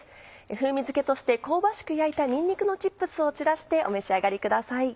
風味づけとして香ばしく焼いたにんにくのチップスを散らしてお召し上がりください。